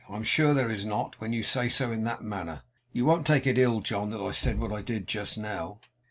I am sure there is not, when you say so in that manner. You won't take it ill, John, that I said what I did just now!